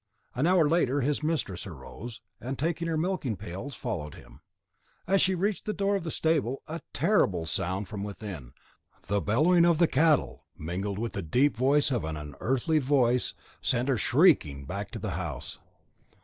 An hour later, his mistress arose, and taking her milking pails, followed him. As she reached the door of the stable, a terrible sound from within the bellowing of the cattle, mingled with the deep notes of an unearthly voice sent her back shrieking to the house.